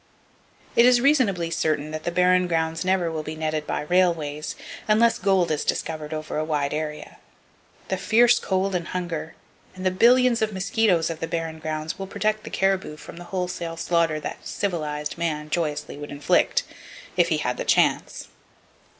It is reasonably certain that the Barren Grounds never will be netted by railways,—unless gold is discovered over a wide area. The fierce cold and hunger, and the billions of mosquitoes of the Barren Grounds will protect the caribou from the wholesale slaughter that "civilized" man joyously would inflict—if he had the chance.